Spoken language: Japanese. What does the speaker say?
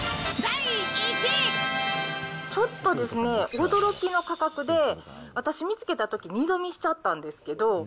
ちょっとですね、驚きの価格で、私、見つけたとき、二度見しちゃったんですけど。